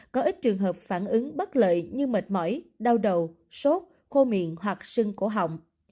có ít trường hợp phản ứng bất lợi như mệt mỏi đau đầu sốt khô miệng hoặc sưng cổ họng